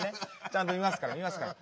ちゃんとみますからみますから。